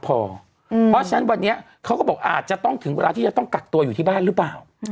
เพราะฉะนั้นวันนี้เขาก็บอกอาจจะต้องถึงเวลาที่จะต้องกักตัวอยู่ที่บ้านหรือเปล่า